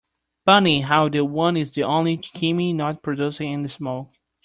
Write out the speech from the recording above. Funny how that one is the only chimney not producing any smoke.